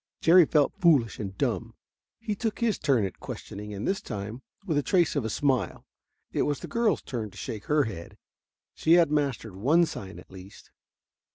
Jerry felt foolish and dumb. He took his turn at questioning, and this time, with a trace of a smile, it was the girl's turn to shake her head. She had mastered one sign at least.